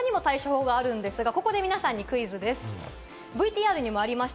他にも対処法があるんですが、ここで皆さんにクイズです。